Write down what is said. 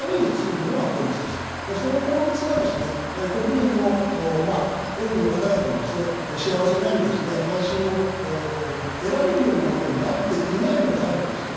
その法律がですね国民の多くの方々の幸せなり安心を得られるようなものになっていないのであればですね